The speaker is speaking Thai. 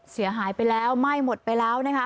เสียหายไปแล้วไหม้หมดไปแล้วนะคะ